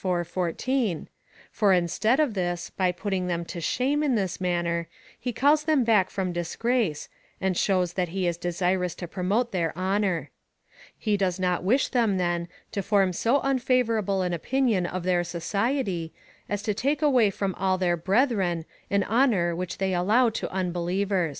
14,) for instead of this, by putting them to shame in this manner, he calls them back from disgrace,^ and shows that he is desirous to promote their honour. He does not wish them, then, to form so unfavourable an opinion of their society, as to take away from all their brethren an honour which they allow to unbelievers.